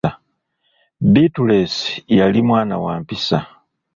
Bittulensi yali mwana wa mpisa.